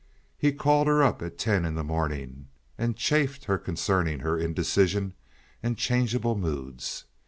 He called her up at ten in the morning and chafed her concerning her indecision and changeable moods.